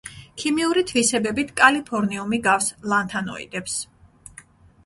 ქიმიური თვისებებით კალიფორნიუმი გავს ლანთანოიდებს.